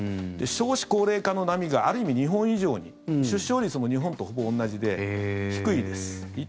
少子高齢化の波がある意味、日本以上に出生率も日本とほぼ同じで低いです。